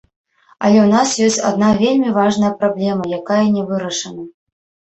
Але ў нас ёсць адна вельмі важная праблема, якая не вырашана.